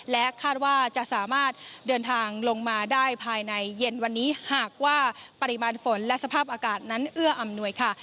และคาดว่าจะสามารถเดินทางลงมาได้ภายในเย็นวันนี้หากว่าปริมาณฝนและสภาพอากาศนั้นเอื้ออำนวยค่ะ